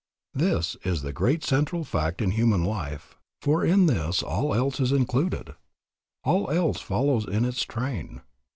This is the great central fact in human life, for in this all else is included, all else follows in its train.